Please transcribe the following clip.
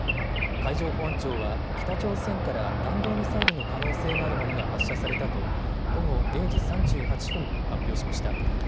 海上保安庁は北朝鮮から弾道ミサイルの可能性があるものが発射されたと午後０時３８分に発表しました。